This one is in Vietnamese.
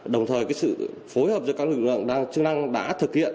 đồng thời sự phối hợp giữa các lực lượng chức năng đã thực hiện